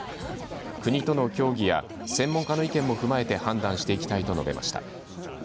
国との協議や専門家の意見を踏まえて判断していきたいと述べました。